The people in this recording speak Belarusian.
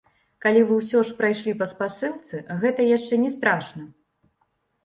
Калі вы ўсё ж прайшлі па спасылцы, гэта яшчэ не страшна.